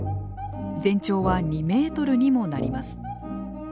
全長は２メートルにもなります。